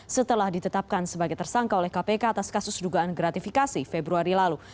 setelah ditetapkan sebagai tersangka oleh kpk atas kasus dugaan gratifikasi februari lalu